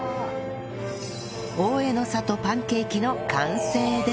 大江ノ郷パンケーキの完成です